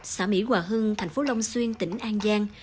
xã mỹ hòa hưng thành phố long xuyên tỉnh an giang